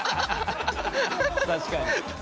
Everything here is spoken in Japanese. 確かに。